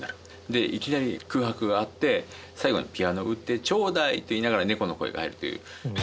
でいきなり空白があって最後に「ピアノ売ってちょうだい！」と言いながら猫の声が入るという。